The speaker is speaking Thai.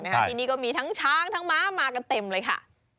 ที่นี่ก็มีทั้งช้างทั้งม้ามากันเต็มเลยค่ะ